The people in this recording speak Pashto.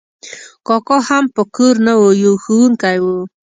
کاکا هم په کور نه و، یو ښوونکی و.